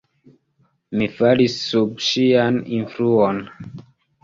Mi falis sub ŝian influon.